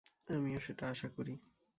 আমিও সেটা আশা করি।